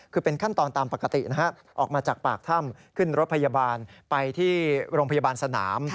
คือเป็นขั้นตอนตามปกตินะฮะออกมาจากปากถ้ำขึ้นรถพยาบาลไปที่โรงพยาบาลสนาม